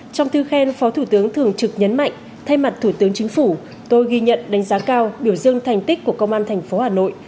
trong thư khen phó thủ tướng thường trực nhấn mạnh thay mặt thủ tướng chính phủ tôi ghi nhận đánh giá cao biểu dương thành tích của công an tp hà nội